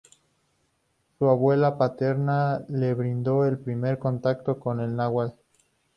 Su abuela paterna le brindó el primer contacto con el náhuatl.